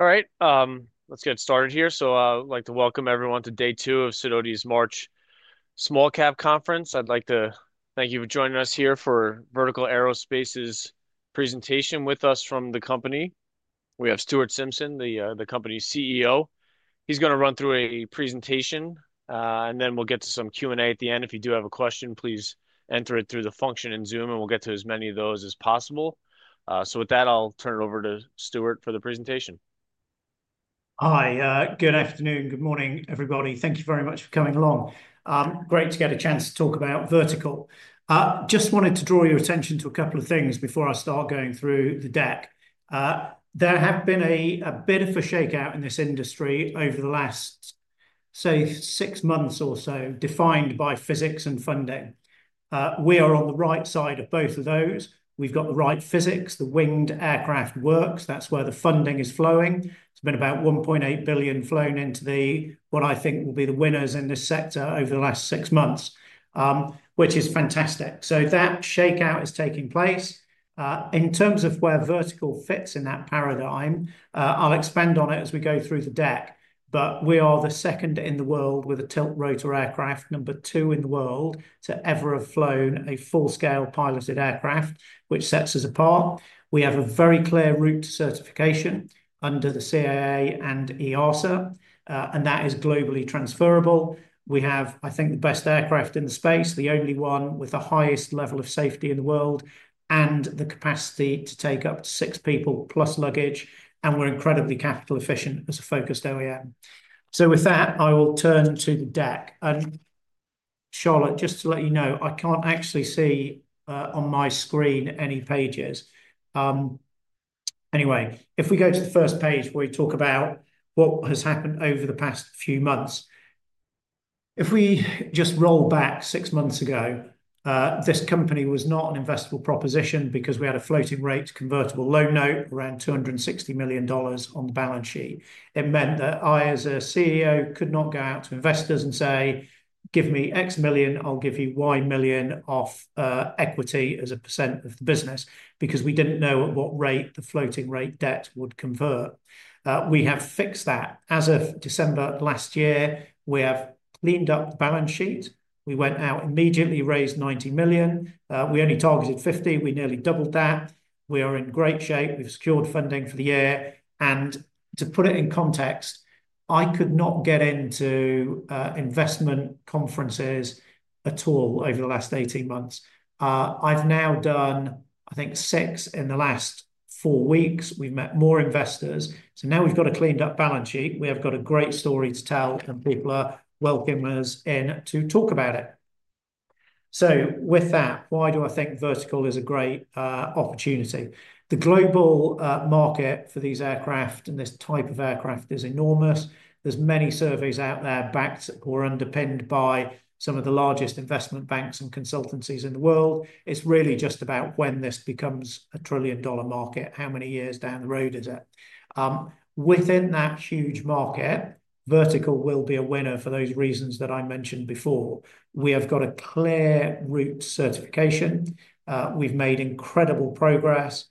All right, let's get started here. I'd like to welcome everyone to day two of Sidoti's March Small Cap Conference. I'd like to thank you for joining us here for Vertical Aerospace's presentation. With us from the company, we have Stuart Simpson, the company's CEO. He's going to run through a presentation, and then we'll get to some Q&A at the end. If you do have a question, please enter it through the function in Zoom, and we'll get to as many of those as possible. With that, I'll turn it over to Stuart for the presentation. Hi, good afternoon, good morning, everybody. Thank you very much for coming along. Great to get a chance to talk about Vertical. Just wanted to draw your attention to a couple of things before I start going through the deck. There has been a bit of a shakeout in this industry over the last, say, six months or so, defined by physics and funding. We are on the right side of both of those. We've got the right physics. The winged aircraft works. That's where the funding is flowing. It's been about $1.8 billion flown into what I think will be the winners in this sector over the last six months, which is fantastic. That shakeout is taking place. In terms of where Vertical fits in that paradigm, I'll expand on it as we go through the deck. We are the second in the world with a tilt rotor aircraft, number two in the world to ever have flown a full-scale piloted aircraft, which sets us apart. We have a very clear route to certification under the CAA and EASA, and that is globally transferable. I think we have the best aircraft in the space, the only one with the highest level of safety in the world, and the capacity to take up to six people plus luggage. We are incredibly capital efficient as a focused OEM. With that, I will turn to the deck. Charlotte, just to let you know, I cannot actually see on my screen any pages. Anyway, if we go to the first page where we talk about what has happened over the past few months, if we just roll back six months ago, this company was not an investable proposition because we had a floating rate convertible loan note around $260 million on the balance sheet. It meant that I, as CEO, could not go out to investors and say, "Give me X million, I'll give you Y million off equity as a % of the business," because we did not know at what rate the floating rate debt would convert. We have fixed that. As of December last year, we have cleaned up the balance sheet. We went out, immediately raised $90 million. We only targeted $50 million. We nearly doubled that. We are in great shape. We have secured funding for the year. To put it in context, I could not get into investment conferences at all over the last 18 months. I've now done, I think, six in the last four weeks. We've met more investors. Now we've got a cleaned up balance sheet. We have got a great story to tell, and people are welcoming us in to talk about it. With that, why do I think Vertical is a great opportunity? The global market for these aircraft and this type of aircraft is enormous. There are many surveys out there backed or underpinned by some of the largest investment banks and consultancies in the world. It's really just about when this becomes a trillion dollar market, how many years down the road is it. Within that huge market, Vertical will be a winner for those reasons that I mentioned before. We have got a clear route to certification. We've made incredible progress.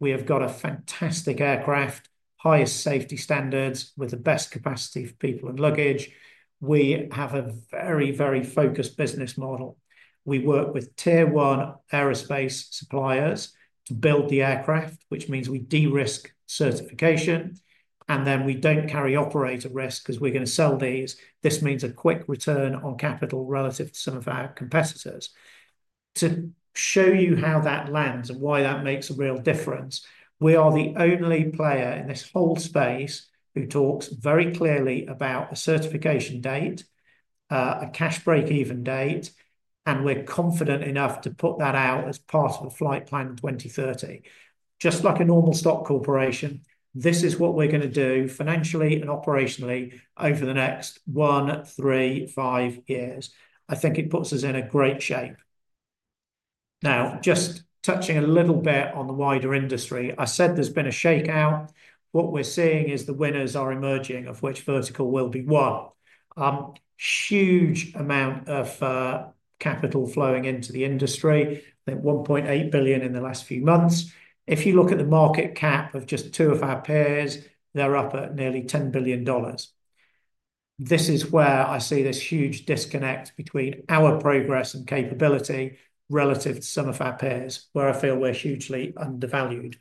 We have got a fantastic aircraft, highest safety standards with the best capacity for people and luggage. We have a very, very focused business model. We work with tier one aerospace suppliers to build the aircraft, which means we de-risk certification. We don't carry operator risk because we're going to sell these. This means a quick return on capital relative to some of our competitors. To show you how that lands and why that makes a real difference, we are the only player in this whole space who talks very clearly about a certification date, a cash break even date, and we're confident enough to put that out as part of a flight plan in 2030. Just like a normal stock corporation, this is what we're going to do financially and operationally over the next one, three, five years. I think it puts us in a great shape. Now, just touching a little bit on the wider industry, I said there's been a shakeout. What we're seeing is the winners are emerging, of which Vertical will be one. Huge amount of capital flowing into the industry. I think $1.8 billion in the last few months. If you look at the market cap of just two of our peers, they're up at nearly $10 billion. This is where I see this huge disconnect between our progress and capability relative to some of our peers, where I feel we're hugely undervalued.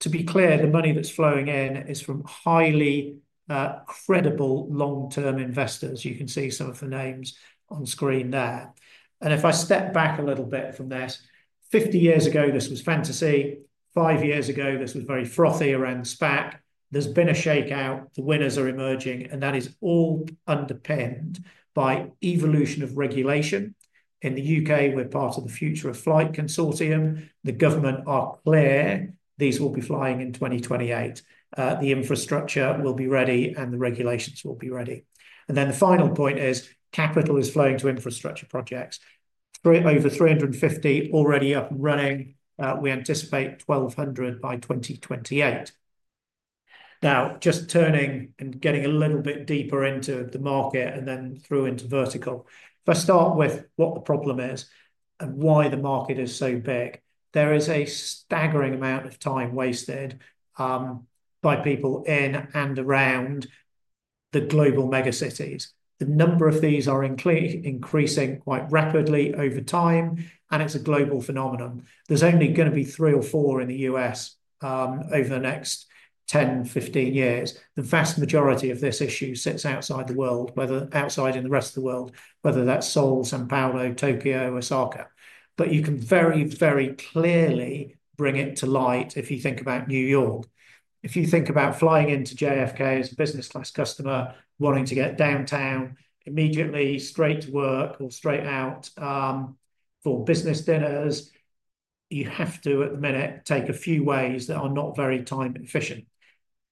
To be clear, the money that's flowing in is from highly credible long-term investors. You can see some of the names on screen there. If I step back a little bit from this, 50 years ago, this was fantasy. Five years ago, this was very frothy around SPAC. There's been a shakeout. The winners are emerging, and that is all underpinned by evolution of regulation. In the U.K., we're part of the Future of Flight Consortium. The government are clear. These will be flying in 2028. The infrastructure will be ready, and the regulations will be ready. The final point is capital is flowing to infrastructure projects. Over 350 already up and running. We anticipate 1,200 by 2028. Now, just turning and getting a little bit deeper into the market and then through into Vertical. If I start with what the problem is and why the market is so big, there is a staggering amount of time wasted by people in and around the global mega cities. The number of these are increasing quite rapidly over time, and it's a global phenomenon. There's only going to be three or four in the US over the next 10-15 years. The vast majority of this issue sits outside the US, outside in the rest of the world, whether that's Seoul, São Paulo, Tokyo, Osaka. You can very, very clearly bring it to light if you think about New York. If you think about flying into JFK as a business class customer wanting to get downtown immediately straight to work or straight out for business dinners, you have to, at the minute, take a few ways that are not very time efficient.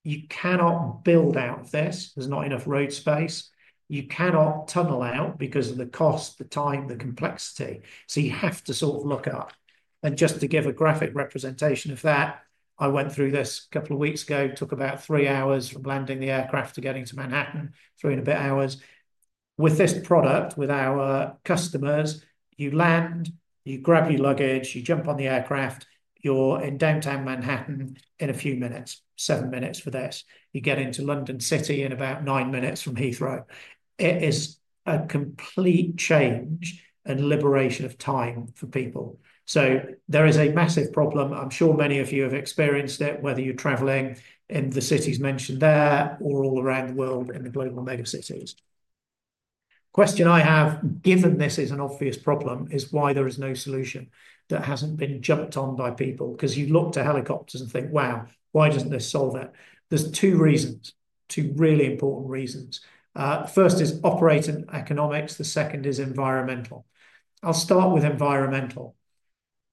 You cannot build out this. There's not enough road space. You cannot tunnel out because of the cost, the time, the complexity. You have to sort of look up. Just to give a graphic representation of that, I went through this a couple of weeks ago, took about three hours from landing the aircraft to getting to Manhattan, three and a bit hours. With this product, with our customers, you land, you grab your luggage, you jump on the aircraft, you're in downtown Manhattan in a few minutes, seven minutes for this. You get into London City in about nine minutes from Heathrow. It is a complete change and liberation of time for people. There is a massive problem. I'm sure many of you have experienced it, whether you're traveling in the cities mentioned there or all around the world in the global mega cities. The question I have, given this is an obvious problem, is why there is no solution that hasn't been jumped on by people? Because you look to helicopters and think, "Wow, why doesn't this solve it?" There are two reasons, two really important reasons. First is operating economics. The second is environmental. I'll start with environmental.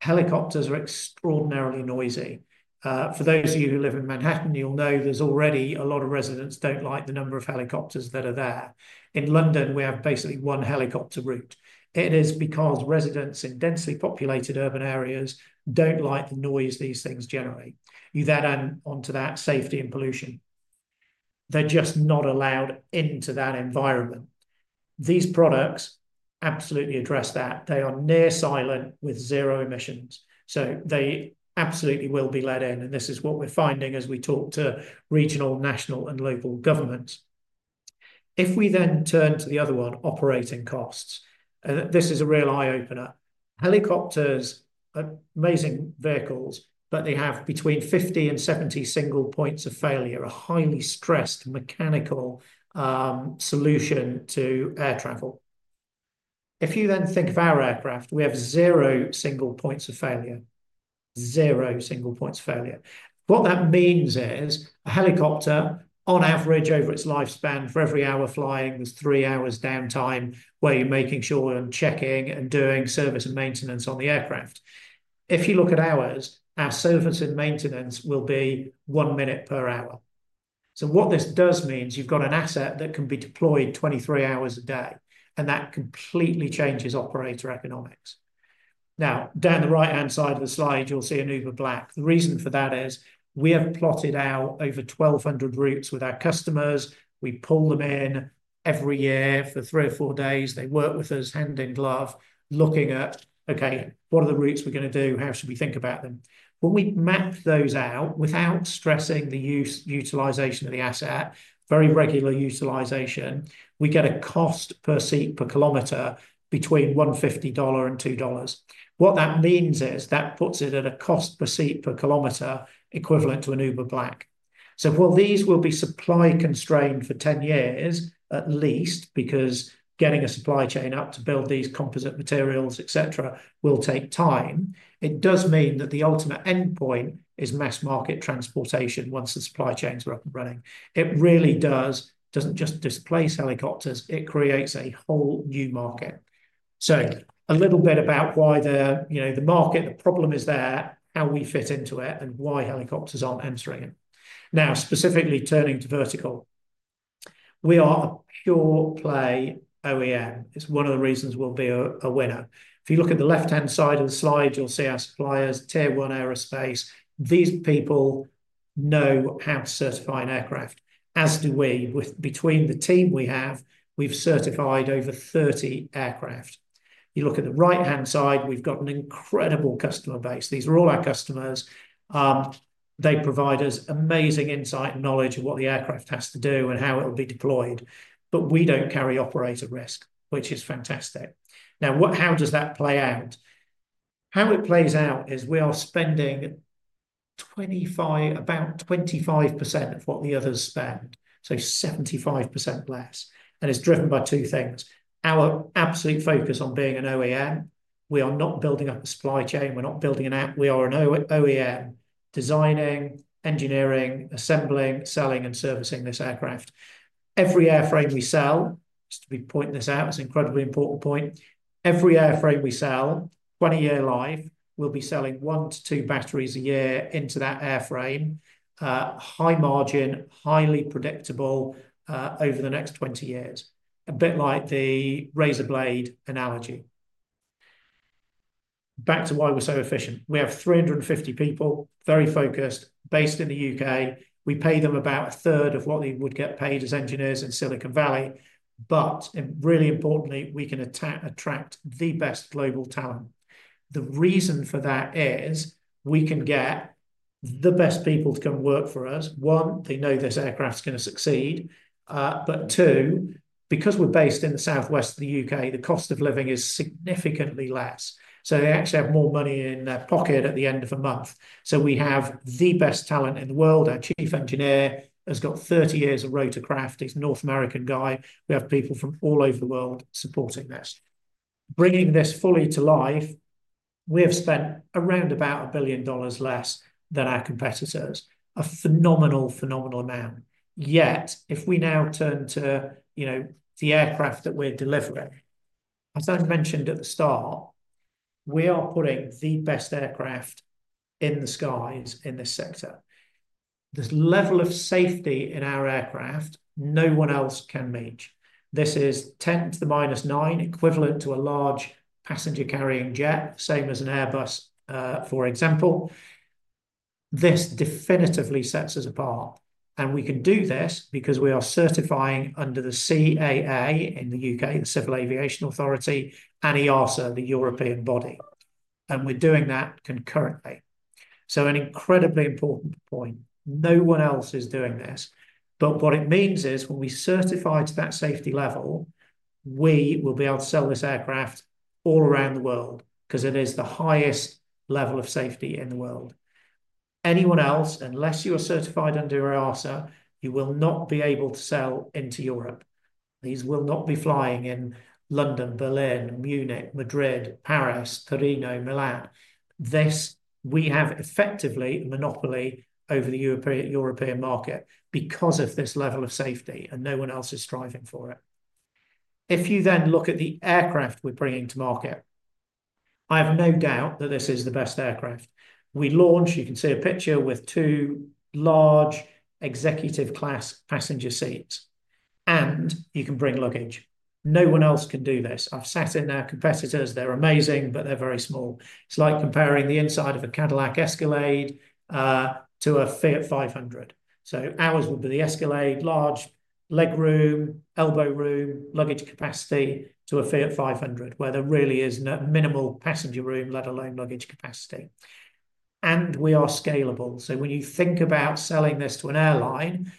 Helicopters are extraordinarily noisy. For those of you who live in Manhattan, you'll know there's already a lot of residents who don't like the number of helicopters that are there. In London, we have basically one helicopter route. It is because residents in densely populated urban areas don't like the noise these things generate. You then add on to that safety and pollution. They're just not allowed into that environment. These products absolutely address that. They are near silent with zero emissions. They absolutely will be let in. This is what we're finding as we talk to regional, national, and local governments. If we then turn to the other one, operating costs, this is a real eye-opener. Helicopters are amazing vehicles, but they have between 50 and 70 single points of failure, a highly stressed mechanical solution to air travel. If you then think of our aircraft, we have zero single points of failure, zero single points of failure. What that means is a helicopter, on average, over its lifespan, for every hour flying, there's three hours downtime where you're making sure and checking and doing service and maintenance on the aircraft. If you look at ours, our service and maintenance will be one minute per hour. What this does mean is you've got an asset that can be deployed 23 hours a day, and that completely changes operator economics. Now, down the right-hand side of the slide, you'll see an Uber Black. The reason for that is we have plotted out over 1,200 routes with our customers. We pull them in every year for three or four days. They work with us hand in glove, looking at, "Okay, what are the routes we're going to do? How should we think about them?" When we map those out without stressing the utilization of the asset, very regular utilization, we get a cost per seat per kilometer between $1.50 and $2. What that means is that puts it at a cost per seat per kilometer equivalent to an Uber Black. While these will be supply constrained for 10 years at least, because getting a supply chain up to build these composite materials, etc., will take time, it does mean that the ultimate endpoint is mass market transportation once the supply chains are up and running. It really does. It does not just displace helicopters. It creates a whole new market. A little bit about why the market, the problem is there, how we fit into it, and why helicopters aren't answering it. Now, specifically turning to Vertical, we are a pure play OEM. It's one of the reasons we'll be a winner. If you look at the left-hand side of the slide, you'll see our suppliers, Tier One Aerospace. These people know how to certify an aircraft, as do we. Between the team we have, we've certified over 30 aircraft. You look at the right-hand side, we've got an incredible customer base. These are all our customers. They provide us amazing insight and knowledge of what the aircraft has to do and how it will be deployed. We don't carry operator risk, which is fantastic. Now, how does that play out? How it plays out is we are spending about 25% of what the others spend, so 75% less. It's driven by two things. Our absolute focus on being an OEM, we are not building up a supply chain. We're not building an app. We are an OEM designing, engineering, assembling, selling, and servicing this aircraft. Every airframe we sell, just to point this out, it's an incredibly important point. Every airframe we sell, 20-year life, we'll be selling one to two batteries a year into that airframe, high margin, highly predictable over the next 20 years, a bit like the razor blade analogy. Back to why we're so efficient. We have 350 people, very focused, based in the U.K. We pay them about a third of what they would get paid as engineers in Silicon Valley. Really importantly, we can attract the best global talent. The reason for that is we can get the best people to come work for us. One, they know this aircraft's going to succeed. Two, because we're based in the southwest of the U.K., the cost of living is significantly less. They actually have more money in their pocket at the end of a month. We have the best talent in the world. Our Chief Engineer has got 30 years of rotorcraft. He's a North American guy. We have people from all over the world supporting this. Bringing this fully to life, we have spent around about $1 billion less than our competitors, a phenomenal, phenomenal amount. If we now turn to the aircraft that we're delivering, as I mentioned at the start, we are putting the best aircraft in the skies in this sector. This level of safety in our aircraft, no one else can match. This is 10 to the minus 9, equivalent to a large passenger-carrying jet, same as an Airbus, for example. This definitively sets us apart. We can do this because we are certifying under the CAA in the U.K., the Civil Aviation Authority, and EASA, the European body. We are doing that concurrently. An incredibly important point. No one else is doing this. What it means is when we certify to that safety level, we will be able to sell this aircraft all around the world because it is the highest level of safety in the world. Anyone else, unless you are certified under EASA, you will not be able to sell into Europe. These will not be flying in London, Berlin, Munich, Madrid, Paris, Torino, Milan. We have effectively a monopoly over the European market because of this level of safety, and no one else is striving for it. If you then look at the aircraft we're bringing to market, I have no doubt that this is the best aircraft. We launch, you can see a picture with two large executive-class passenger seats, and you can bring luggage. No one else can do this. I've sat in our competitors. They're amazing, but they're very small. It's like comparing the inside of a Cadillac Escalade to a Fiat 500. Ours will be the Escalade, large leg room, elbow room, luggage capacity to a Fiat 500, where there really is minimal passenger room, let alone luggage capacity. We are scalable. When you think about selling this to an airline,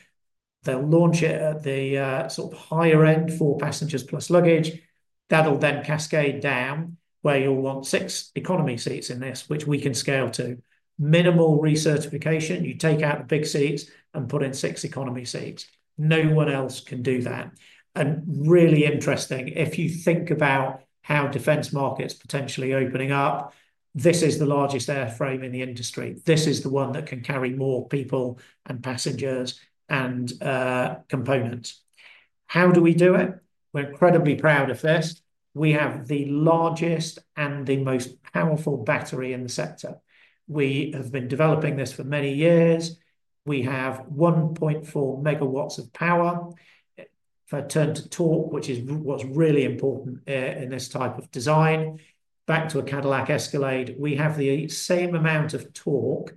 they'll launch it at the sort of higher end for passengers plus luggage. That'll then cascade down where you'll want six economy seats in this, which we can scale to. Minimal recertification. You take out the big seats and put in six economy seats. No one else can do that. Really interesting, if you think about how defense markets are potentially opening up, this is the largest airframe in the industry. This is the one that can carry more people and passengers and components. How do we do it? We're incredibly proud of this. We have the largest and the most powerful battery in the sector. We have been developing this for many years. We have 1.4 megawatts of power. If I turn to torque, which is what's really important in this type of design, back to a Cadillac Escalade, we have the same amount of torque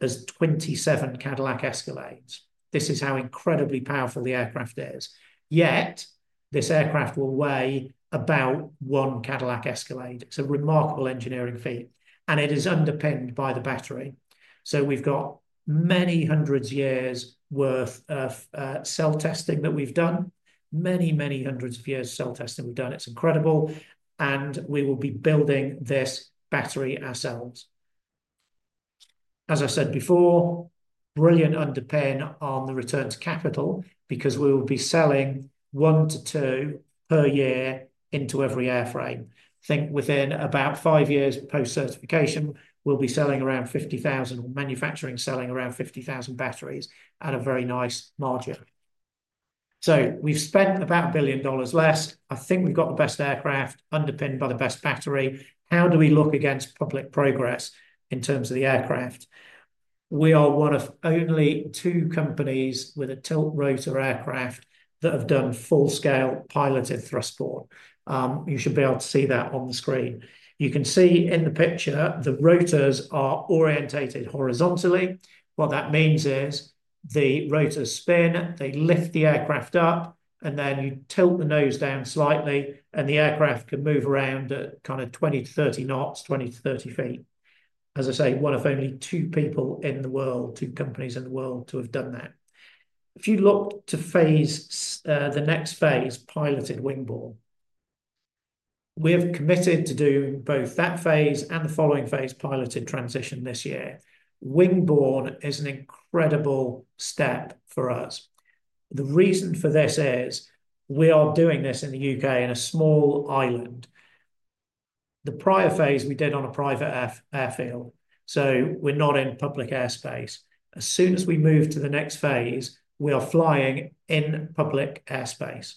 as 27 Cadillac Escalades. This is how incredibly powerful the aircraft is. Yet this aircraft will weigh about one Cadillac Escalade. It's a remarkable engineering feat. It is underpinned by the battery. We've got many hundreds of years' worth of cell testing that we've done, many, many hundreds of years' cell testing we've done. It's incredible. We will be building this battery ourselves. As I said before, brilliant underpin on the return to capital because we will be selling one to two per year into every airframe. I think within about five years post-certification, we'll be selling around 50,000 or manufacturing selling around 50,000 batteries at a very nice margin. We've spent about $1 billion less. I think we've got the best aircraft underpinned by the best battery. How do we look against public progress in terms of the aircraft? We are one of only two companies with a tilt rotor aircraft that have done full-scale piloted thrust port. You should be able to see that on the screen. You can see in the picture, the rotors are orientated horizontally. What that means is the rotors spin, they lift the aircraft up, and then you tilt the nose down slightly, and the aircraft can move around at kind of 20-30 knots, 20-30 feet. As I say, one of only two people in the world, two companies in the world to have done that. If you look to phase the next phase, piloted wingborne, we have committed to doing both that phase and the following phase, piloted transition this year. Wingborne is an incredible step for us. The reason for this is we are doing this in the U.K. in a small island. The prior phase we did on a private airfield. So we're not in public airspace. As soon as we move to the next phase, we are flying in public airspace.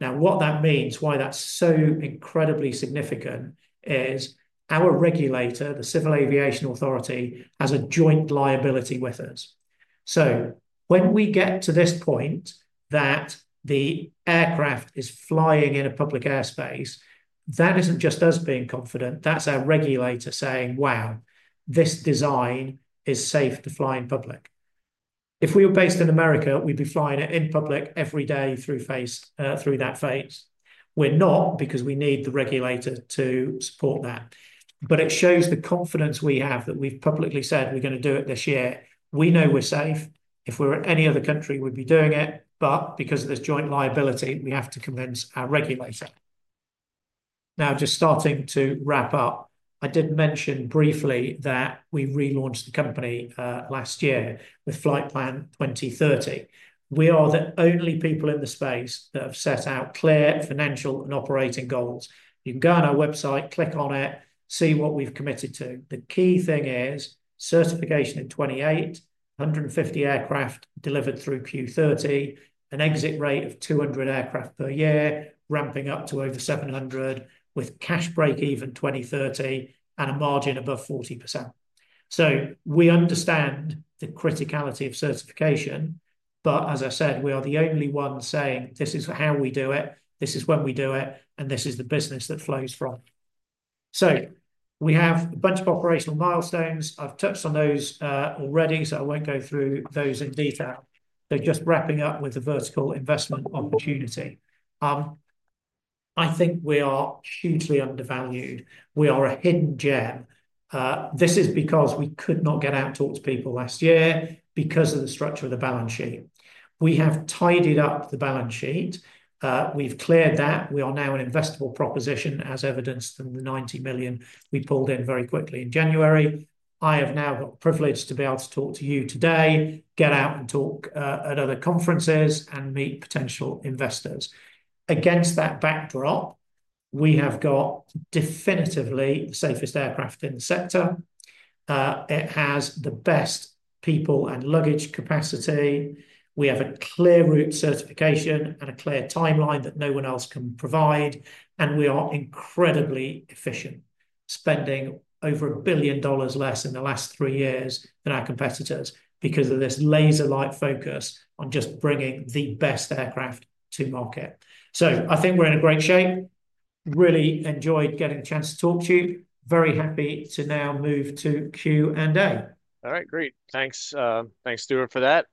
Now, what that means, why that's so incredibly significant is our regulator, the Civil Aviation Authority, has a joint liability with us. So when we get to this point that the aircraft is flying in a public airspace, that isn't just us being confident. That's our regulator saying, "Wow, this design is safe to fly in public." If we were based in America, we'd be flying it in public every day through that phase. We're not because we need the regulator to support that. It shows the confidence we have that we've publicly said we're going to do it this year. We know we're safe. If we're in any other country, we'd be doing it. Because of this joint liability, we have to convince our regulator. Now, just starting to wrap up, I did mention briefly that we relaunched the company last year with Flightpath 2030. We are the only people in the space that have set out clear financial and operating goals. You can go on our website, click on it, see what we've committed to. The key thing is certification in 2028, 150 aircraft delivered through Q3 2030, an exit rate of 200 aircraft per year, ramping up to over 700 with cash break even 2030 and a margin above 40%. We understand the criticality of certification. As I said, we are the only one saying, "This is how we do it. This is when we do it. And this is the business that flows from." We have a bunch of operational milestones. I've touched on those already, so I won't go through those in detail. They're just wrapping up with a Vertical investment opportunity. I think we are hugely undervalued. We are a hidden gem. This is because we could not get out to people last year because of the structure of the balance sheet. We have tidied up the balance sheet. We've cleared that. We are now an investable proposition, as evidenced in the $90 million we pulled in very quickly in January. I have now got the privilege to be able to talk to you today, get out and talk at other conferences and meet potential investors. Against that backdrop, we have got definitively the safest aircraft in the sector. It has the best people and luggage capacity. We have a clear route certification and a clear timeline that no one else can provide. And we are incredibly efficient, spending over $1 billion less in the last three years than our competitors because of this laser-like focus on just bringing the best aircraft to market. I think we're in great shape. Really enjoyed getting a chance talk to. Very happy to now move to Q&A. All right. Great. Thanks, Stuart, for that.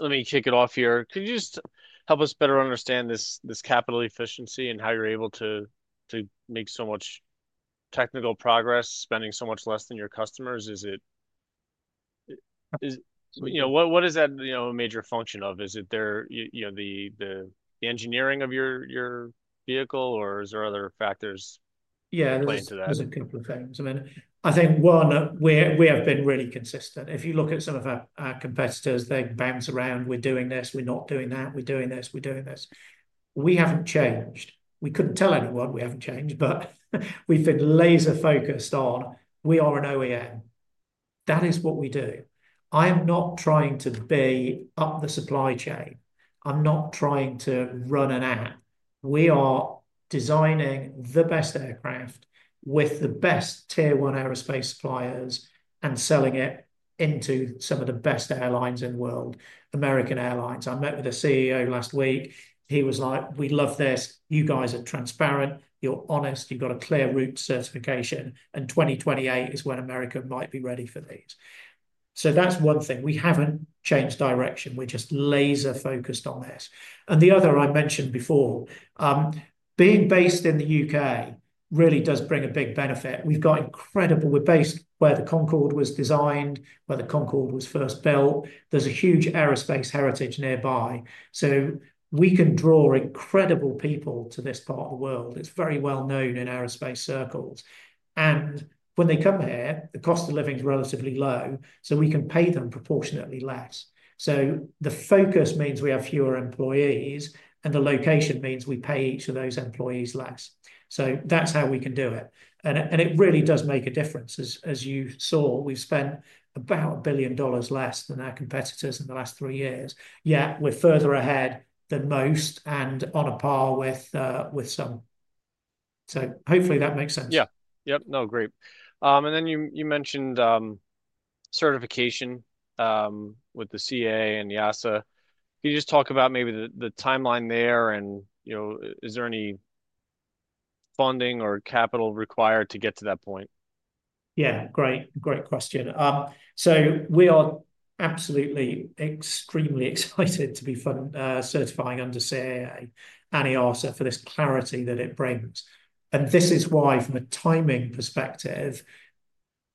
Let me kick it off here. Could you just help us better understand this capital efficiency and how you're able to make so much technical progress, spending so much less than your customers? What is that a major function of? Is it the engineering of your vehicle, or are there other factors playing into that? Yeah, there's a couple of things. I mean, I think one, we have been really consistent. If you look at some of our competitors, they bounce around, "We're doing this. We're not doing that. We're doing this. We're doing this. We haven't changed. We couldn't tell anyone we haven't changed, but we've been laser-focused on, "We are an OEM. That is what we do." I am not trying to be up the supply chain. I'm not trying to run an app. We are designing the best aircraft with the best tier-one aerospace suppliers and selling it into some of the best airlines in the world, American Airlines. I met with the CEO last week. He was like, "We love this. You guys are transparent. You're honest. You've got a clear route certification. And 2028 is when America might be ready for these." That is one thing. We haven't changed direction. We're just laser-focused on this. The other I mentioned before, being based in the U.K. really does bring a big benefit. We've got incredible—we're based where the Concorde was designed, where the Concorde was first built. There's a huge aerospace heritage nearby. We can draw incredible people to this part of the world. It's very well known in aerospace circles. When they come here, the cost of living is relatively low, so we can pay them proportionately less. The focus means we have fewer employees, and the location means we pay each of those employees less. That's how we can do it. It really does make a difference. As you saw, we've spent about $1 billion less than our competitors in the last three years. Yet we're further ahead than most and on a par with some. Hopefully that makes sense. Yeah. Yep. No, great. You mentioned certification with the CAA and EASA. Can you just talk about maybe the timeline there? Is there any funding or capital required to get to that point? Yeah. Great. Great question. We are absolutely extremely excited to be certifying under CAA and EASA for this clarity that it brings. This is why, from a timing perspective,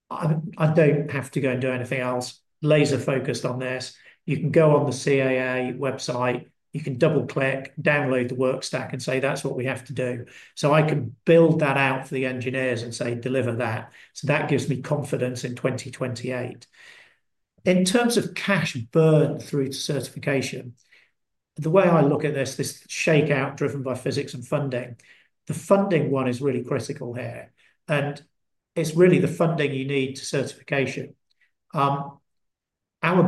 I do not have to go and do anything else. Laser-focused on this. You can go on the CAA website. You can double-click, download the work stack, and say, "That's what we have to do." I can build that out for the engineers and say, "Deliver that." That gives me confidence in 2028. In terms of cash burn through to certification, the way I look at this, this shakeout driven by physics and funding, the funding one is really critical here. It is really the funding you need to certification. Our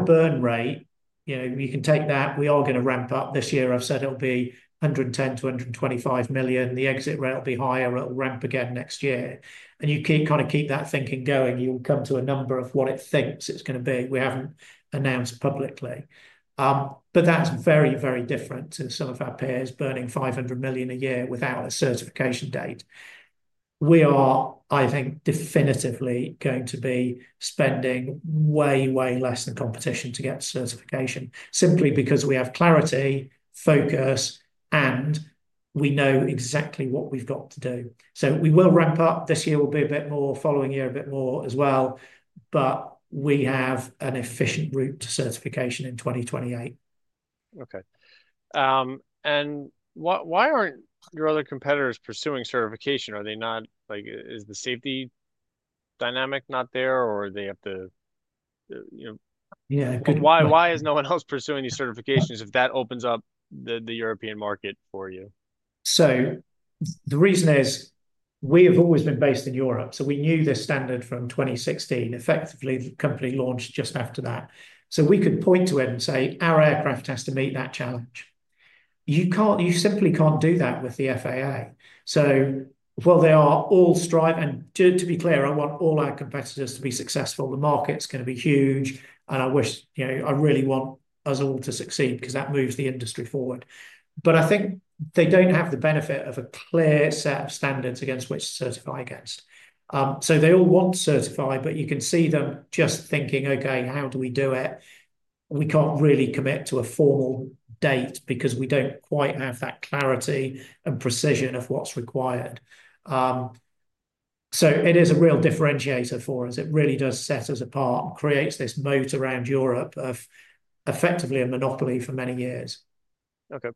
burn rate, you can take that. We are going to ramp up this year. I've said it'll be $110 million-$125 million. The exit rate will be higher. It'll ramp again next year. You kind of keep that thinking going. You'll come to a number of what it thinks it's going to be. We haven't announced publicly. That is very, very different to some of our peers burning $500 million a year without a certification date. We are, I think, definitively going to be spending way, way less than competition to get certification simply because we have clarity, focus, and we know exactly what we've got to do. We will ramp up. This year will be a bit more, following year a bit more as well. We have an efficient route to certification in 2028. Okay. And why aren't your other competitors pursuing certification? Is the safety dynamic not there, or they have to? Why is no one else pursuing these certifications if that opens up the European market for you? The reason is we have always been based in Europe. We knew the standard from 2016. Effectively, the company launched just after that. We could point to it and say, "Our aircraft has to meet that challenge." You simply can't do that with the FAA. While they are all striving, and to be clear, I want all our competitors to be successful. The market's going to be huge. I really want us all to succeed because that moves the industry forward. I think they don't have the benefit of a clear set of standards against which to certify against. They all want to certify, but you can see them just thinking, "Okay, how do we do it?" We can't really commit to a formal date because we don't quite have that clarity and precision of what's required. It is a real differentiator for us. It really does set us apart and creates this moat around Europe of effectively a monopoly for many years. Ok.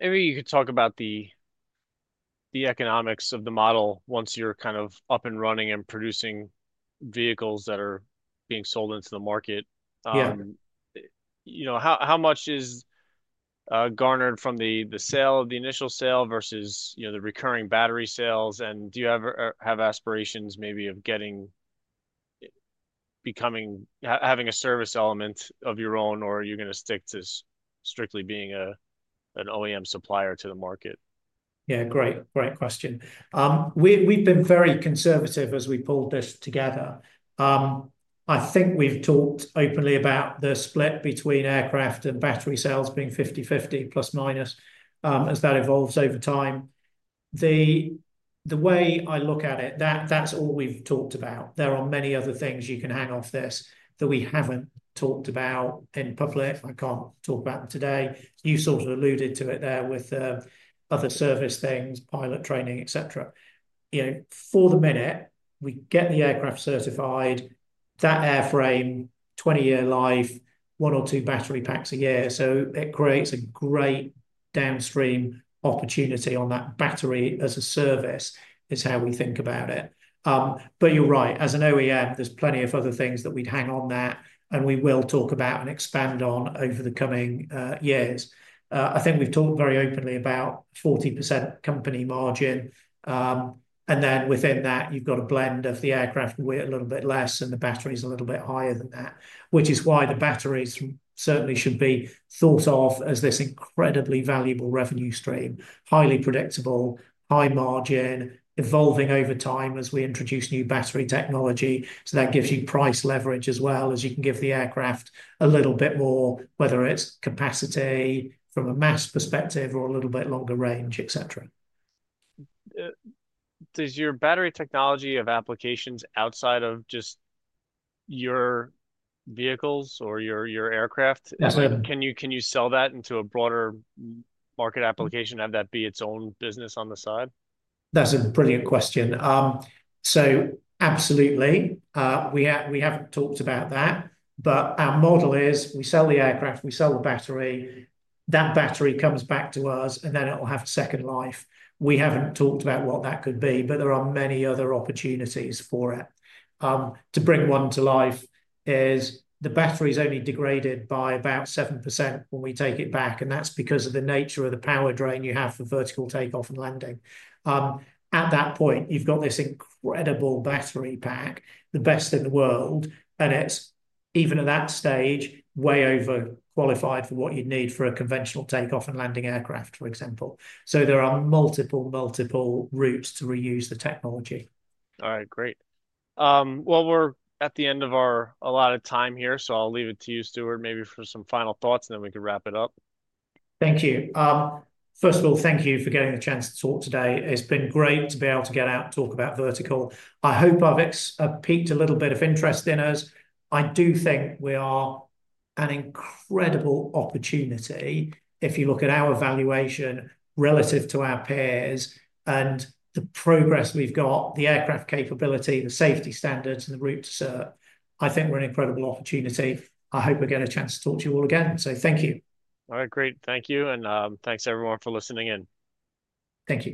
Maybe you could talk about the economics of the model once you're kind of up and running and producing vehicles that are being sold into the market. How much is garnered from the initial sale versus the recurring battery sales? Do you have aspirations maybe of having a service element of your own, or are you going to stick to strictly being an OEM supplier to the market? Yeah. Great. Great question. We've been very conservative as we pulled this together.I think we've talked openly about the split between aircraft and battery sales being 50/50, plus minus, as that evolves over time. The way I look at it, that's all we've talked about. There are many other things you can hang off this that we haven't talked about in public. I can't talk about them today. You sort of alluded to it there with other service things, pilot training, etc. For the minute, we get the aircraft certified, that airframe, 20-year life, one or two battery packs a year. It creates a great downstream opportunity on that battery as a service is how we think about it. You're right. As an OEM, there's plenty of other things that we'd hang on that, and we will talk about and expand on over the coming years. I think we've talked very openly about 40% company margin. And within that, you've got a blend of the aircraft weight a little bit less and the batteries a little bit higher than that, which is why the batteries certainly should be thought of as this incredibly valuable revenue stream, highly predictable, high margin, evolving over time as we introduce new battery technology. That gives you price leverage as well as you can give the aircraft a little bit more, whether it's capacity from a mass perspective or a little bit longer range, etc. Does your battery technology have applications outside of just your vehicles or your aircraft? Can you sell that into a broader market application, have that be its own business on the side? That's a brilliant question. Absolutely. We haven't talked about that. Our model is we sell the aircraft, we sell the battery, that battery comes back to us, and then it'll have a second life. We haven't talked about what that could be, but there are many other opportunities for it. To bring one to life is the battery is only degraded by about 7% when we take it back. That is because of the nature of the power drain you have for vertical takeoff and landing. At that point, you've got this incredible battery pack, the best in the world, and it's even at that stage way overqualified for what you'd need for a conventional takeoff and landing aircraft, for example. There are multiple, multiple routes to reuse the technology. All right. Great. We're at the end of our allotted time here, so I'll leave it to you, Stuart, maybe for some final thoughts, and then we can wrap it up. Thank you. First of all, thank you for getting the chance to talk today. It's been great to be able to get out and talk about Vertical. I hope I've piqued a little bit of interest in us. I do think we are an incredible opportunity if you look at our evaluation relative to our peers and the progress we've got, the aircraft capability, the safety standards, and the route to serve. I think we're an incredible opportunity. I hope we get a chance to talk to you all again. Thank you. All right. Great. Thank you. Thanks, everyone, for listening in. Thank you.